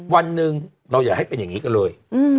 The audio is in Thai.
วันหนึ่งเราอย่าให้เป็นอย่างนี้กันเลย